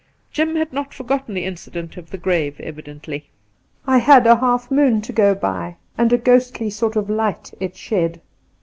Jim had not forgotten the incident of the grave, evidently. I had a half moon to go by, and a ghostly sort of light it shed.